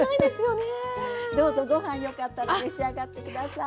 どうぞご飯よかったら召し上がって下さい。